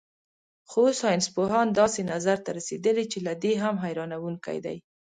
خو اوس ساینسپوهان داسې نظر ته رسېدلي چې له دې هم حیرانوونکی دی.